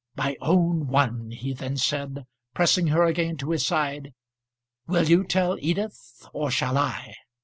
"My own one," he then said, pressing her again to his side, "will you tell Edith, or shall I?